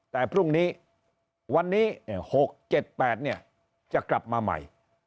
แต่พรุ่งนี้วันนี้๖๗๘จะกลับมาใหม่